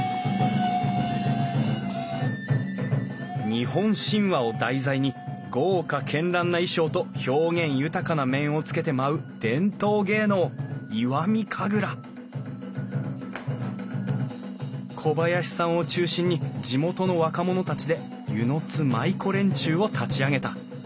日本神話を題材に豪華絢爛な衣装と表現豊かな面をつけて舞う伝統芸能石見神楽小林さんを中心に地元の若者たちで温泉津舞子連中を立ち上げた。